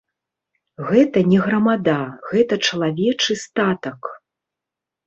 Гэта не грамада, гэта чалавечы статак.